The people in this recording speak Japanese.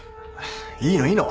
いいのいいの。